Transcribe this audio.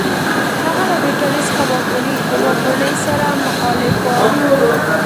هغه له برټانیې له واکمنۍ سره مخالف وو.